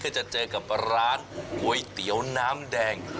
จะเจอกับร้านก๋วยเตี๋ยวน้ำแดง